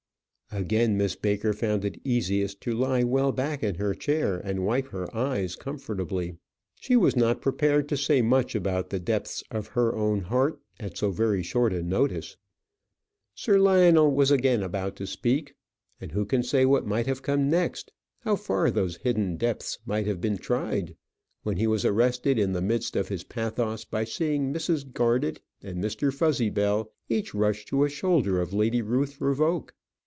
Again Miss Baker found it easiest to lie well back into her chair, and wipe her eyes comfortably. She was not prepared to say much about the depths of her own heart at so very short a notice. Sir Lionel was again about to speak and who can say what might have come next, how far those hidden depths might have been tried? when he was arrested in the midst of his pathos by seeing Mrs. Garded and Mr. Fuzzybell each rush to a shoulder of Lady Ruth Revoke.